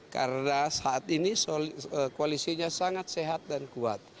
karena saat ini koalisinya sangat sehat dan kuat